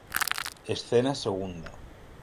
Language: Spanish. Escena segunda.